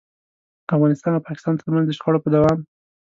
افغانستان او پاکستان ترمنځ د شخړو په دوام.